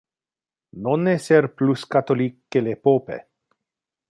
Non esser plus catholic que le pope.